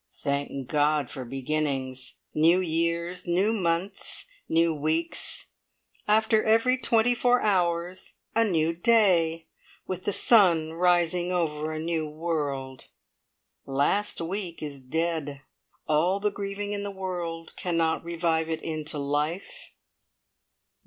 Thank God for beginnings! New years, new months, new weeks after every twenty four hours, a new day, with the sun rising over a new world! Last week is dead. All the grieving in the world cannot revive it into life.